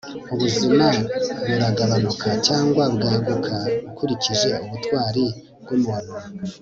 ubuzima buragabanuka cyangwa bwaguka ukurikije ubutwari bw'umuntu